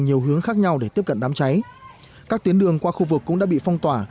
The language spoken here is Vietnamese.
nhiều hướng khác nhau để tiếp cận đám cháy các tuyến đường qua khu vực cũng đã bị phong tỏa